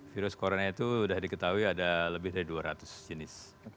virus corona itu sudah diketahui ada lebih dari dua ratus jenis